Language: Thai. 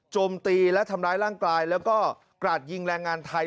โจมตีและทำร้ายร่างกายแล้วก็กราดยิงแรงงานไทย